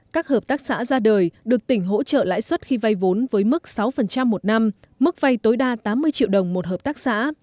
các hợp tác xã ra đời được tỉnh hỗ trợ lãi suất khi vay vốn với mức sáu một năm mức vay tối đa tám mươi triệu đồng một hợp tác xã